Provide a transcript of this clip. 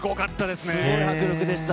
すごい迫力でした。